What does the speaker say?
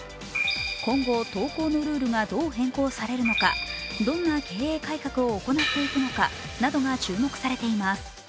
今後、投稿のルールがどう変更されるのか、どんな経営改革を行っていくのかなどが注目されています。